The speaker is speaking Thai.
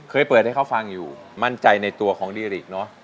เคยเปิดให้เขาฟังอยู่มั่นใจในตัวของดีริกเนอะ